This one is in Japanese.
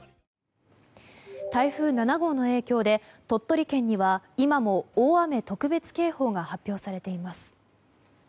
台風７号の影響で鳥取県には今も大雨特別警報が発表されています。